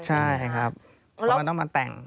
ใช่ครับเพราะมันต้องมาแต่ง